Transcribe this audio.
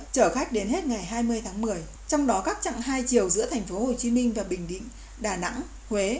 chở khách đến hết ngày hai mươi tháng một mươi trong đó các trạng hai chiều giữa tp hcm và bình định đà nẵng huế